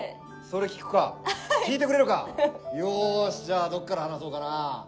それ聞くか聞いてくれるかよしじゃあどっから話そうかなあ？